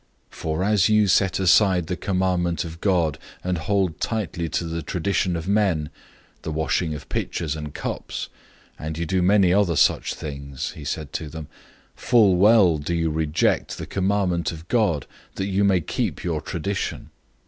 '{Isaiah 29:13} 007:008 "For you set aside the commandment of God, and hold tightly to the tradition of men the washing of pitchers and cups, and you do many other such things." 007:009 He said to them, "Full well do you reject the commandment of God, that you may keep your tradition.